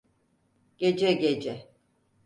Gece gece!